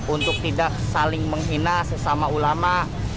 untuk tidak saling menghina sesama ulama